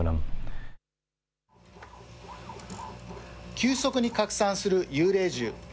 急速に拡散する幽霊銃。